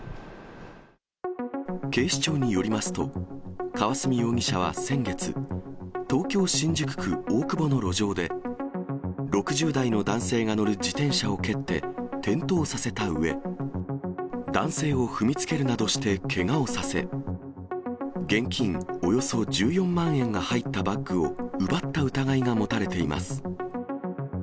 警視庁によりますと、河澄容疑者は先月、東京・新宿区大久保の路上で、６０代の男性が乗る自転車を蹴って、転倒させたうえ、男性を踏みつけるなどしてけがをさせ、現金およそ１４万円が入ったバッグを奪った疑いが持たれています。